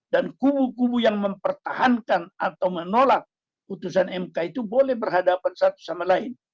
dan kubu kubu yang mempertahankan atau menolak putusan mk itu boleh berhadapan satu sama lain